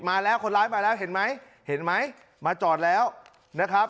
มาแล้วคนร้ายมาแล้วเห็นไหมเห็นไหมมาจอดแล้วนะครับ